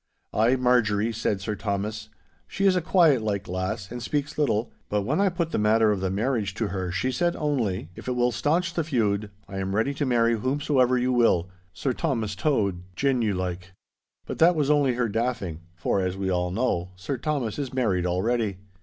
'Ay, Marjorie,'said Sir Thomas, 'she is a quiet like lass and speaks little, but when I put the matter of the marriage to her, she said only, "If it will staunch the feud, I am ready to marry whomsoever you will—Sir Thomas Tode, gin you like!" But that was only her daffing, for, as we all know, Sir Thomas is married already.